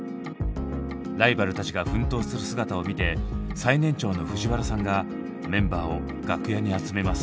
ライバルたちが奮闘する姿を見て最年長の藤原さんがメンバーを楽屋に集めます。